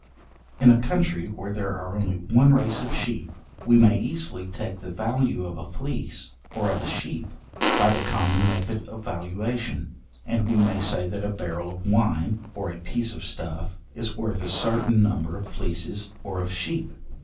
In a country where there are only one race of sheep, we may easily take the value of a fleece or of a sheep by the common method of valuation, and we may say that a barrel of wine, or a piece of stuff, is worth a certain number of fleeces or of sheep.